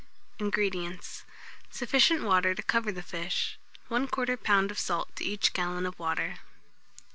INGREDIENTS. Sufficient water to cover the fish; 1/4 lb. of salt to each gallon of water.